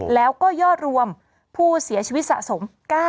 แล้วก็ยอดรวมผู้เสียชีวิตสะสม